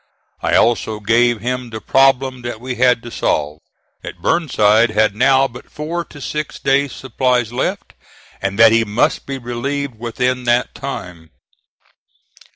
I also gave him the problem that we had to solve that Burnside had now but four to six days supplies left, and that he must be relieved within that time.